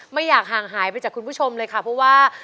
ไม่อยากห่างหายไปจากคุณผู้ชมเลยค่ะเพราะว่า